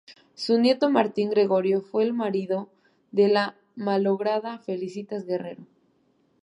Su nieto Martín Gregorio fue el marido de la malograda Felicitas Guerrero.